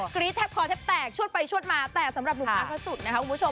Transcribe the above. รี๊ดแทบคอแทบแตกชวดไปชวดมาแต่สำหรับหนุ่มอาร์พระสุดนะคะคุณผู้ชม